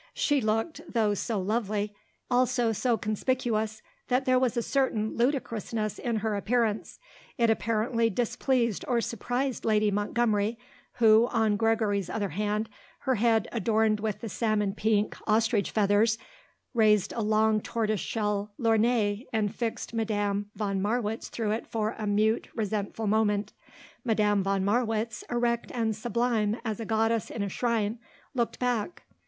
She looked, though so lovely, also so conspicuous that there was a certain ludicrousness in her appearance. It apparently displeased or surprised Lady Montgomery, who, on Gregory's other hand, her head adorned with the salmon pink, ostrich feathers, raised a long tortoiseshell lorgnette and fixed Madame von Marwitz through it for a mute, resentful moment. Madame von Marwitz, erect and sublime as a goddess in a shrine, looked back.